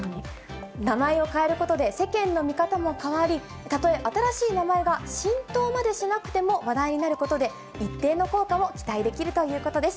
名前を変えることで、世間の味方も変わり、たとえ新しい名前が浸透までしなくても、話題になることで、一定の効果も期待できるということです。